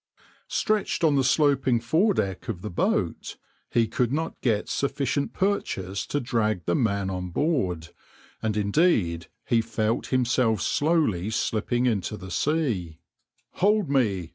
Stretched on the sloping foredeck of the boat he could not get sufficient purchase to drag the man on board, and indeed he felt himself slowly slipping into the sea.\par "Hold me!